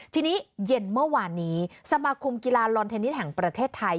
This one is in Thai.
ทีนี้เย็นเมื่อวานนี้สมาคมกีฬาลอนเทนนิสแห่งประเทศไทย